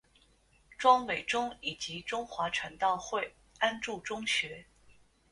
庄伟忠以及中华传道会安柱中学。